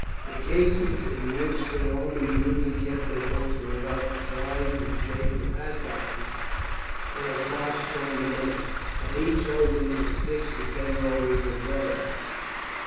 The cases in which the Romans usually kept their books were about the size and shape of hat boxes, but of far stronger make, and each holding from six to ten rolls of vellum.